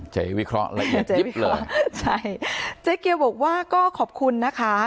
เจ๊วิเคราะห์ละเอียดยิบเหรอใช่เจ๊เกียวบอกว่าก็ขอบคุณนะคะ